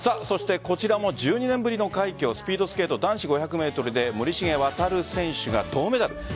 こちらも１２年ぶりの快挙スピードスケート男子５００ｍで森重航選手が銅メダル。